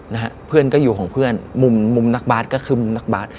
นะฮะเพื่อนก็อยู่ของเพื่อนมุมมุมนักบาทก็คือมุมนักบาท